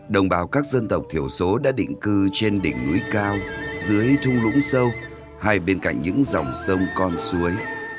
đồng bào các dân tộc thiểu số đã định cư trên đỉnh núi cao dưới thung lũng sâu hay bên cạnh những dòng sông con suối